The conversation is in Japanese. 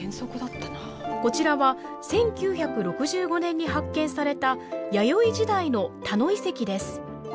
こちらは１９６５年に発見された弥生時代の田能遺跡です。